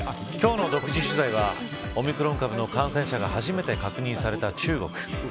今日の独自取材はオミクロン株の感染者が初めて確認された中国。